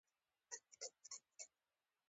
_مه وېرېږه، په تاپسې نه دي راغلی.